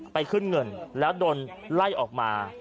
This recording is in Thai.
ไปขึ้นเงินแล้วโดนไล่ออกมา